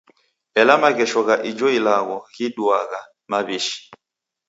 Ela maghesho gha ijo ilagho giduaghai maw'ishi.